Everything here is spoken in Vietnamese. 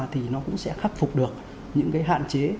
thì nó cũng sẽ khắc phục được những cái hạn chế